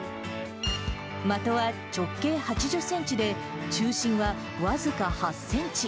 的は直径８０センチで、中心は僅か８センチ。